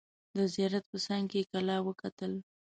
د زیارت په څنګ کې کلا وکتل.